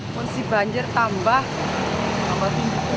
masih banjir tambah tambah tinggi